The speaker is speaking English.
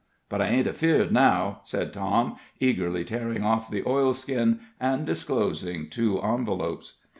But I ain't afeard now," said Tom, eagerly tearing off the oilskin, and disclosing two envelopes.